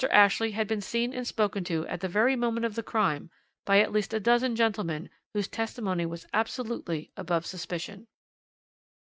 Ashley had been seen and spoken to at the very moment of the crime by at least a dozen gentlemen whose testimony was absolutely above suspicion.